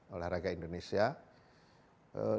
olahraga indonesia dari hulu sampai hilang